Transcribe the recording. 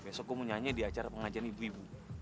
besok aku mau nyanyi di acara pengajian ibu ibu